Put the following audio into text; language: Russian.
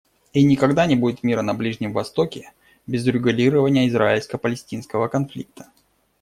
И никогда не будет мира на Ближнем Востоке без урегулирования израильско-палестинского конфликта.